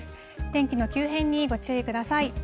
天気の急変にご注意ください。